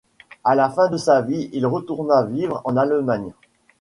À la fin de sa vie, il retourna vivre en Allemagne.